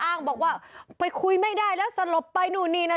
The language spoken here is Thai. อ้างบอกว่าไปคุยไม่ได้แล้วสลบไป